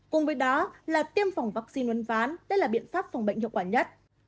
cùng với đó là tiêm phòng vaccine uốn ván đây là biện pháp phòng bệnh hiệu quả nhất